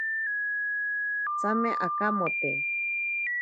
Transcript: Tsame akamote.